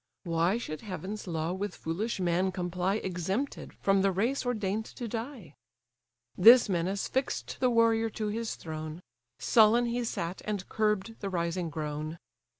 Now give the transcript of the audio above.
Why should heaven's law with foolish man comply Exempted from the race ordain'd to die?" This menace fix'd the warrior to his throne; Sullen he sat, and curb'd the rising groan.